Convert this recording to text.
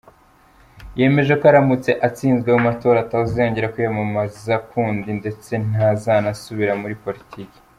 Yemeje ko aramutse atsinzwe mu matora atozengera kwiyamamaza kundi ndetse ntazanasubira muri politiki.